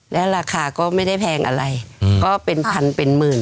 แล้วราคาก็ไม่ได้แพงอะไรก็เป็นพันเป็นหมื่น